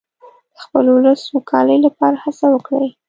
د خپل ولس د سوکالۍ لپاره هڅه وکړئ.